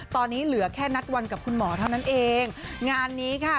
ตอนนี้เหลือแค่นัดวันกับคุณหมอเท่านั้นเองงานนี้ค่ะ